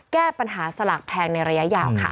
แก้ปัญหาสลากแพงในระยะยาวค่ะ